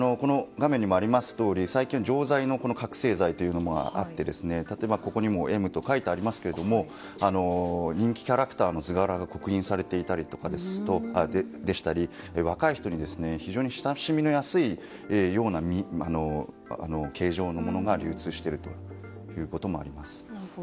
最近は錠剤の覚醒剤というのもあって例えば、ここにも「Ｍ」と書いてありますが人気キャラクターの図柄が刻印されていたり若い人が非常に親しみやすいような形状のものが流通しているということもあります。